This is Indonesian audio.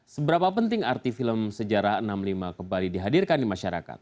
seberapa penting arti film sejarah enam puluh lima kembali dihadirkan di masyarakat